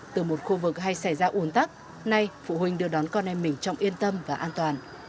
từ một khu vực hay xảy ra ủn tắc nay phụ huynh đưa đón con em mình trong yên tâm và an toàn